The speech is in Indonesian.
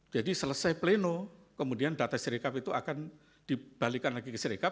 jadi selesai pleno kemudian data sirikap itu akan dibalikan lagi ke sirikap